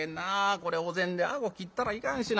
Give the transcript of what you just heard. これお膳で顎切ったらいかんしな。